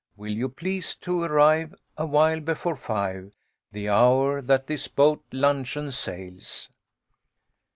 Will you please to arrive Awhile before five, The hour that this boat luncheon sails.